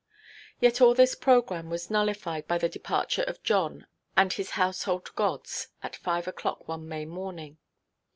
Yet all this programme was nullified by the departure of John and his household gods at five oʼclock one May morning.